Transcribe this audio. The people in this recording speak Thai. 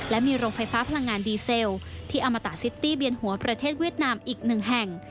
และมีโรงไฟฟ้าพลังงานดีเซลที่อมตะซิตี้เบียนหัวประเทศเวียดนามอีกหนึ่งแห่ง